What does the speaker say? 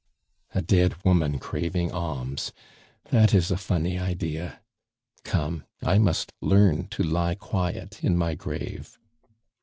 "A dead woman craving alms! That is a funny idea. Come, I must learn to lie quiet in my grave.